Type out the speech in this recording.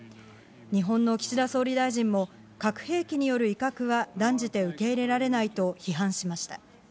日本の岸田総理大臣も、核兵器による威嚇は断じて受け入れられないと批判しました。